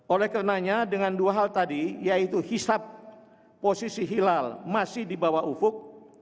oleh karenanya dengan dua hal tadi yaitu hisap posisi hilal masih di bawah ufuk